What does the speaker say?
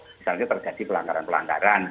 misalnya terjadi pelanggaran pelanggaran